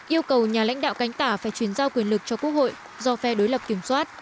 yêu cầu nhà lãnh đạo cánh tả phải chuyển giao quyền lực cho quốc hội do phe đối lập kiểm soát